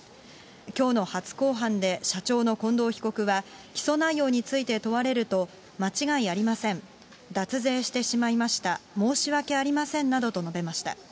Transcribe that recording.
きょうの初公判で社長の近藤被告は起訴内容について問われると、間違いありません、脱税してしまいました、申し訳ありませんなどと述べました。